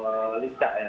di lincah ya